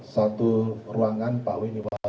satu ruangan pak winibaro